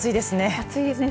暑いですね。